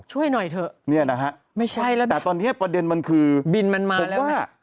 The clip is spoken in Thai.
ช่วยหน่อยเถอะไม่ใช่แล้วนะครับบินมันมาแล้วนะแต่ตอนนี้ประเด็นมันคือผมว่า